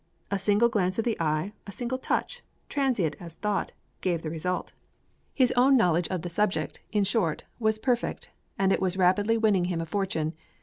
A single glance of the eye, a single touch, transient as thought, gave the result. His own knowledge of the subject, in short, was perfect, and it was rapidly winning him a fortune.